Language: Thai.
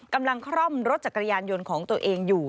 คร่อมรถจักรยานยนต์ของตัวเองอยู่